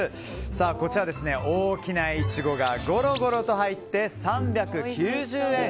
こちら、大きなイチゴがゴロゴロと入って３９０円。